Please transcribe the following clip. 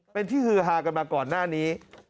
เป็นที่ฮือฮากันมาก่อนหน้านี้